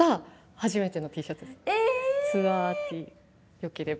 よければ。